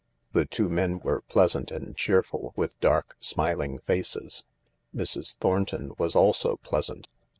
The two men were pleasant and cheerful, with dark, smiling faces. Mrs. Thornton was also pleasant.